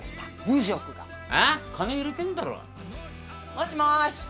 もしもーし。